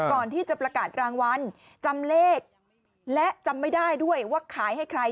ก่อนที่จะประกาศรางวัลจำเลขและจำไม่ได้ด้วยว่าขายให้ใคร